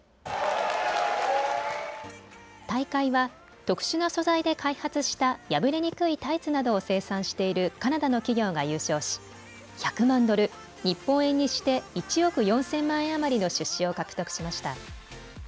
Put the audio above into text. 大会は特殊な素材で開発した破れにくいタイツなどを生産しているカナダの企業が優勝し１００万ドル、日本円にして１億４０００万円余りの出資を獲得しました。